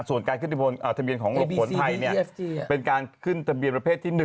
ส่วนการขึ้นทะเบียนของหลบฝนไทยเป็นการขึ้นทะเบียนประเภทที่๑